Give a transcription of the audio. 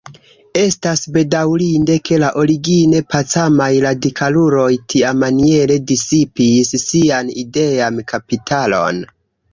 Estas bedaŭrinde, ke la origine pacamaj radikaluloj tiamaniere disipis sian idean kapitalon.